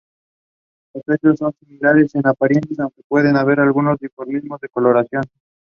Los sexos son similares en apariencia aunque puede haber algunos dimorfismo en coloración iris.